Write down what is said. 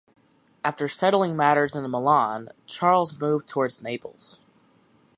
After settling matters in Milan, Charles moved towards Naples.